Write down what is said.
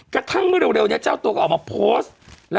กระทั่งเมื่อเร็วนี้เจ้าตัวก็ออกมาโพสต์